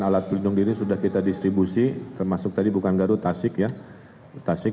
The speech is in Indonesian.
alat pelindung diri sudah kita distribusi termasuk tadi bukan garut tasik ya tasik